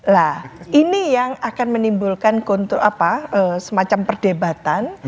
lah ini yang akan menimbulkan kontrol apa semacam perdebatan